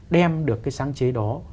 đem được cái sáng chế đó